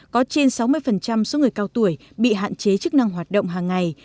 có trên sáu mươi số người cao tuổi bị hạn chế chức năng hoạt động hàng ngày